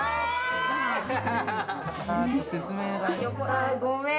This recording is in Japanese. あごめん。